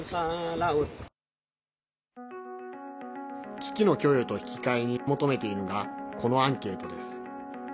機器の供与と引き換えに求めているのがこのアンケートです。